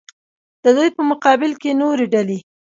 د دوی په مقابل کې نورې ډلې.